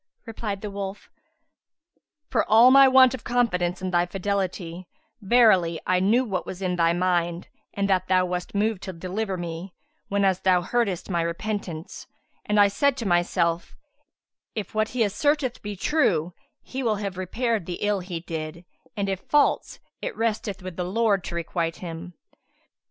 Replied the wolf, "For all my want of confidence in thy fidelity, verily I knew what was in thy mind and that thou wast moved to deliver me whenas thou heardest my repentance, and I said to myself, 'If what he asserteth be true, he will have repaired the ill he did; and if false, it resteth with the Lord to requite him.'